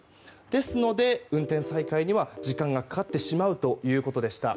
ですので運転再開には時間がかかるということでした。